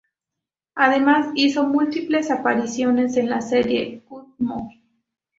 Además hizo múltiples apariciones en la serie "Gunsmoke".